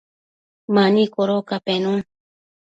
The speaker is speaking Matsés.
mani codoca penun